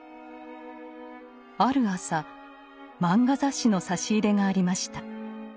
ある朝「漫画雑誌」の差し入れがありました。